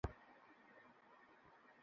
আমরা এদের থেকে সাহায্য ও রুটি-রুজির আশা করি।